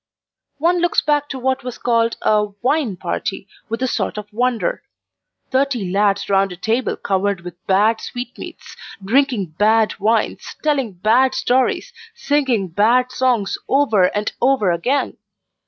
One looks back to what was called a 'wine party' with a sort of wonder. Thirty lads round a table covered with bad sweetmeats, drinking bad wines, telling bad stories, singing bad songs over and over again.